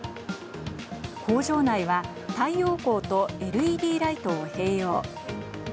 工場内は、太陽光とＬＥＤライトを併用。